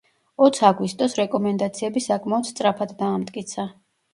ოც აგვისტოს, რეკომენდაციები საკმაოდ სწრაფად დაამტკიცა.